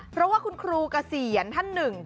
เพราะว่าคุณครูเกษียณท่านหนึ่ง